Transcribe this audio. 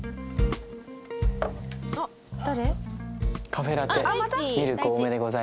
あっ誰？